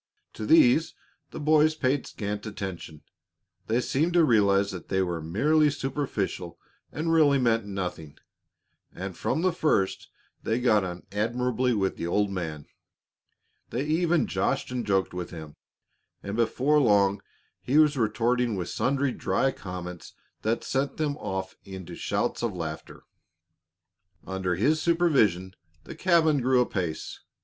To these the boys paid scant attention. They seemed to realize that they were merely superficial and really meant nothing, and from the first they got on admirably with the old man. They even joshed and joked with him, and before long he was retorting with sundry dry comments that sent them off into shouts of laughter. Under his supervision the cabin grew apace.